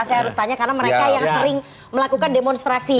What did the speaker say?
saya harus tanya karena mereka yang sering melakukan demonstrasi